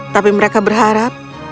tapi mereka berharap